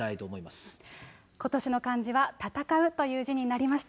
今年の漢字は戦うという字になりました。